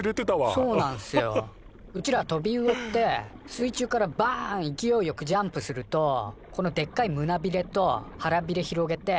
そうなんすようちらトビウオって水中からバン勢いよくジャンプするとこのでっかい胸びれと腹びれ広げて空飛べちゃうんすよね。